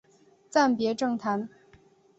暂别政坛。